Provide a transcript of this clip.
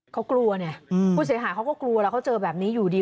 เขากลัวเนี่ยผู้เสียหายเขาก็กลัวแล้วเขาเจอแบบนี้อยู่ดี